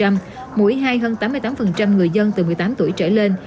mỗi hai hơn tám mươi tám người dân từ một mươi tám tuổi trở lên